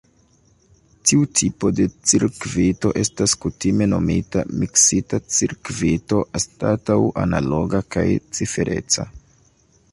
Tiu tipo de cirkvito estas kutime nomita "miksita cirkvito" anstataŭ "analoga kaj cifereca".